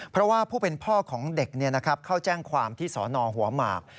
เพราะว่าผู้เป็นพ่อของเด็กเนี่ยนะครับเขาแจ้งความที่สอนอหัวหมาก